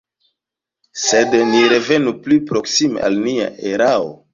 Sed ni revenu pli proksime al nia erao.